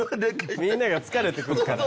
みんなが疲れてくるから。